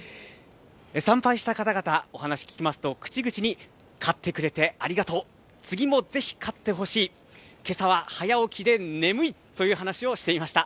参拝した方々、お話聞きますと口々に勝ってくれてありがとう次もぜひ勝ってほしい、けさは早起きで眠いという話をしていました。